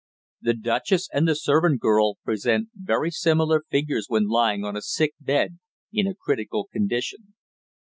The duchess and the servant girl present very similar figures when lying on a sick bed in a critical condition.